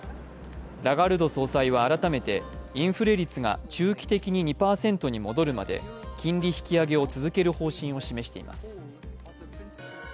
ラガルド総裁は改めてインフレ率が中期的に２％に戻るまで金利引き上げを続ける方針を示しています。